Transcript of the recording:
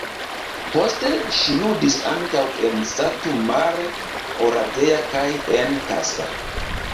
Poste ŝi ludis ankaŭ en Satu Mare, Oradea kaj en Kassa.